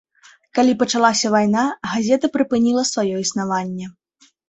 Калі пачалася вайна, газета прыпыніла сваё існаванне.